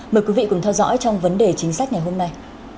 mời quý vị cùng theo dõi trong vấn đề chính sách ngày hôm nay